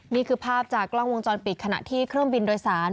นี่คือภาพจากกล้องวงจรปิดขณะที่เครื่องบินโดยสาร